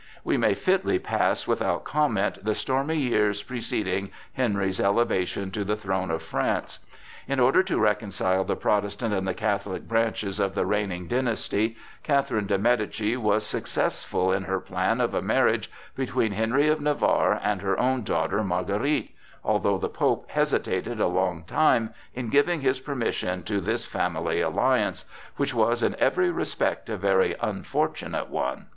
We may fitly pass without comment the stormy years preceding Henry's elevation to the throne of France. In order to reconcile the Protestant and the Catholic branches of the reigning dynasty, Catherine de Médicis was successful in her plan of a marriage between Henry of Navarre and her own daughter Marguerite, although the Pope hesitated a long time in giving his permission to this family alliance, which was in every respect a very unfortunate one.